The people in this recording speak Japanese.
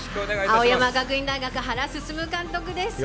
青山学院大学、原晋監督です。